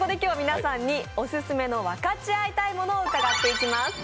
オススメの「分かち合いたいモノ」を伺っていきます。